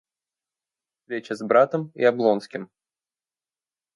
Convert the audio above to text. Встреча с братом и Облонским.